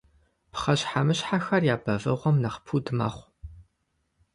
Пхъэщхьэмыщхьэхэр я бэвыгъуэм нэхъ пуд мэхъу.